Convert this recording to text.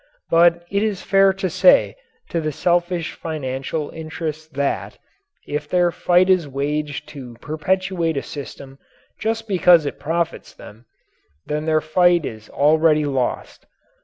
But it is fair to say to the selfish financial interests that, if their fight is waged to perpetuate a system just because it profits them, then their fight is already lost.